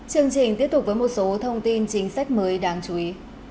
chương trình tiếp tục với một số thông tin chính sách mới đáng chú ý